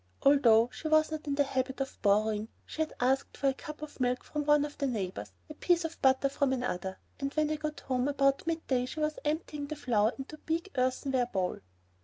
Although she was not in the habit of borrowing, she had asked for a cup of milk from one of the neighbors, a piece of butter from another, and when I got home about midday she was emptying the flour into a big earthenware bowl.